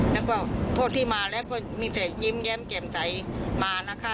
แล้วก็พวกที่มาแล้วก็มีแต่ยิ้มแย้มแจ่มใสมานะคะ